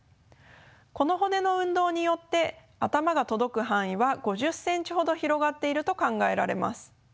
この骨の運動によって頭が届く範囲は５０ｃｍほど広がっていると考えられます。